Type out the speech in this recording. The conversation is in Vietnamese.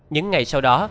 những ngày sau đó